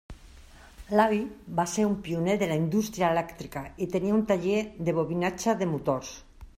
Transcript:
L'avi va ser un pioner de la indústria elèctrica i tenia un taller de bobinatge de motors.